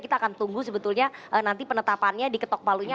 kita akan tunggu sebetulnya nanti penetapannya diketok palunya